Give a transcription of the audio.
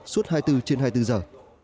suốt hai mươi bốn trên hai mươi bốn giờ